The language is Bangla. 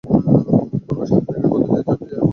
এখন ওর সাথে দেখা করতে যাচ্ছি, যেয়ে বলব তুই একজন আদর্শ ভাই।